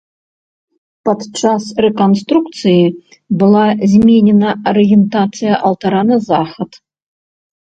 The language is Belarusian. Пад час рэканструкцыі была зменена арыентацыя алтара на захад.